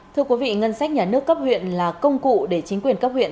thưa quý vị ngân sách nhà nước cấp huyện là công cụ để chính quyền cấp huyện